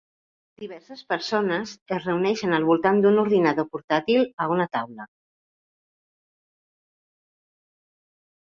Diverses persones es reuneixen al voltant d'un ordinador portàtil a una taula.